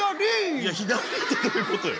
いや「左！」ってどういうことよ。